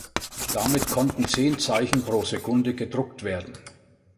Damit konnten zehn Zeichen pro Sekunde gedruckt werden.